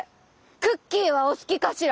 クッキーはお好きかしら？